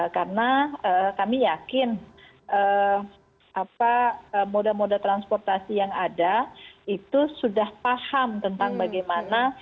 karena kami yakin moda moda transportasi yang ada itu sudah paham tentang bagaimana